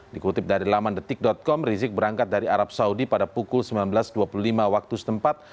dikutip dari laman detik com rizik berangkat dari arab saudi pada pukul sembilan belas dua puluh lima waktu setempat